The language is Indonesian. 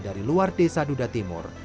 dari luar desa duda timur